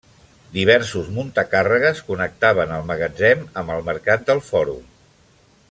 Diversos muntacàrregues connectaven el magatzem amb el mercat del fòrum.